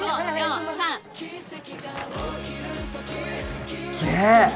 すっげぇ！